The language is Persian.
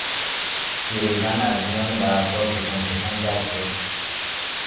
پیرزن از میان برفها کشان کشان رد شد.